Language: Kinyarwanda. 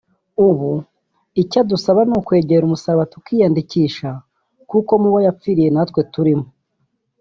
ubu icyo adusaba ni ukwegera umusaraba tukiyandikisha kuko mu bo yapfiriye natwe turimo